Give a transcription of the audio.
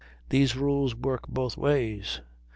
These rules work both ways.